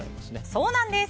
そうなんです。